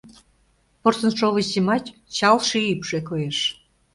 Порсын шовыч йымач чал ший ӱпшӧ коеш.